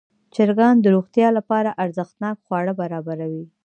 چرګان د روغتیا لپاره ارزښتناک خواړه برابروي.